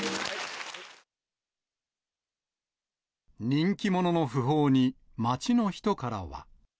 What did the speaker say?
人気者の訃報に、街の人からは。